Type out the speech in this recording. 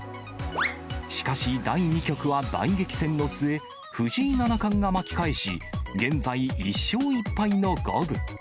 しかし第２局は大激戦の末、藤井七冠が巻き返し、現在、１勝１敗の五分。